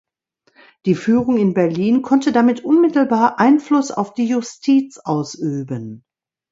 Die Führung in Berlin konnte damit unmittelbar Einfluss auf die Justiz ausüben.